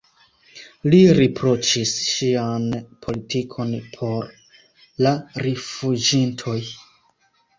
Li riproĉis ŝian politikon por la rifuĝintoj.